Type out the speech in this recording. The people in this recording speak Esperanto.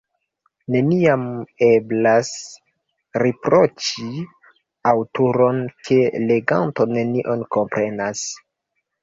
Neniam eblas riproĉi aŭtoron, ke leganto nenion komprenas.